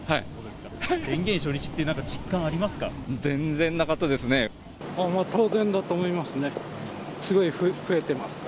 宣言初日っていう実感ありますか？